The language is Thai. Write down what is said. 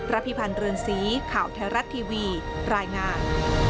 พิพันธ์เรือนสีข่าวไทยรัฐทีวีรายงาน